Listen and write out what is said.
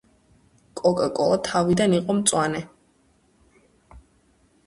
კოკა-კოლა თავიდან იყო მწვანე